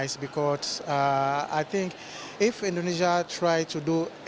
saya pikir jika indonesia mencoba untuk melakukan